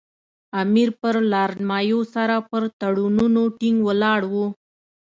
امیر پر لارډ مایو سره پر تړونونو ټینګ ولاړ وو.